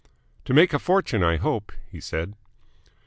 "To make a fortune, I hope," he said.